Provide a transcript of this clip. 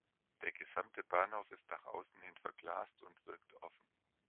Der gesamte Bahnhof ist nach außen hin verglast und wirkt offen.